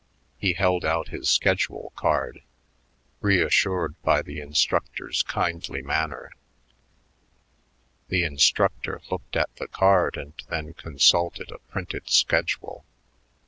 He held out his schedule card, reassured by the instructor's kindly manner. The instructor looked at the card and then consulted a printed schedule.